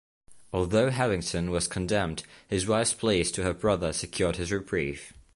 Although Habington was condemned, his wife's pleas to her brother secured his reprieve.